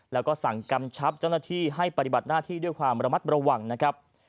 แล้วก็สั่งกำชับเจ้าหน้าที่ให้ปฏิบัติหน้าที่ด้วยความระมัดระวังนะครับ